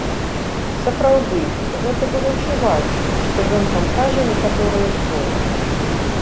Сапраўды, гэта было чуваць, што ён там кажа некаторыя словы.